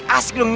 asik dong ini